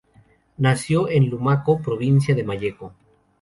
Nació en Lumaco, provincia de Malleco.